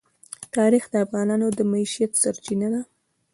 تاریخ د افغانانو د معیشت سرچینه ده.